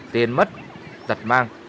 tiền mất giật mang